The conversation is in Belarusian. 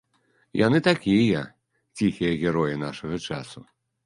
Яны такія, ціхія героі нашага часу.